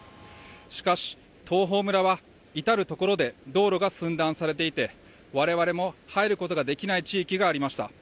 しかし、東峰村はいたるところで道路が寸断されていて、我々も入ることができない地域がありました。